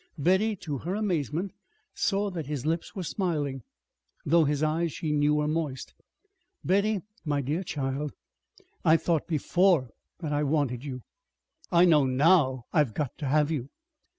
Betty, to her amazement, saw that his lips were smiling, though his eyes, she knew, were moist. "Betty, my dear child, I thought before that I wanted you. I know now I've got to have you."